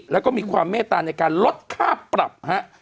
แล้วก็มีความเมตตาในการลดค่าปรับฮะ